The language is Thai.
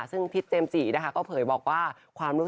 ซึ่งทิศเจมส์จี่นะคะเผยบอกว่า